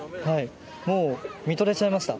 もう見とれちゃいました。